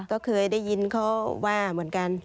ก็เคยได้ยินเขาว่าเหมือนกัน